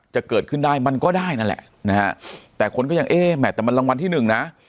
จะเกิดขึ้นได้มันก็ได้นั่นแหละนะฮะแต่คนก็ยังเอ๊ะแหมแต่มันรางวัลที่หนึ่งนะ